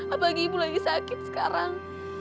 apalagi ibu lagi sakit sekarang